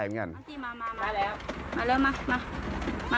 มาแล้วมามามา